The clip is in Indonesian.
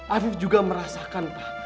afif juga merasakan pak